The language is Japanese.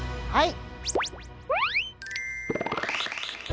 はい。